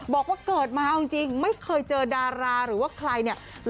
บอกว่าเกิดมาเอาจริงไม่เคยเจอดาราหรือว่าใครเนี่ย